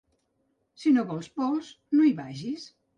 Si no vols pols, no hi vagis.